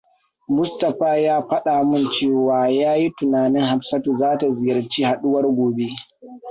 Mustapha ya faɗa mun cewa yayi tunanin Hafsattu zata ziyarci haɗuwar gobe.